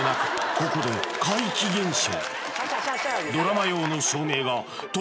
ここで怪奇現象